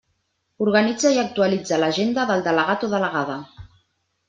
Organitza i actualitza l'agenda del delegat o delegada.